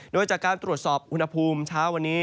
โดยจากการตรวจสอบอุณหภูมิเช้าวันนี้